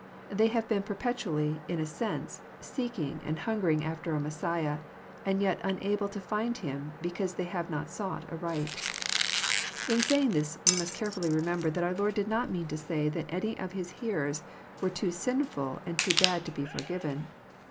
They have been perpetually, in a sense, " seeking" and hungering after a Messiah, and yet unable to find Him, be cause they have not sought aright. — In saving this we must carefhlly remember that our Lord did not mean to say that any of His hearers were too sirrful and Sad^to be forgiven.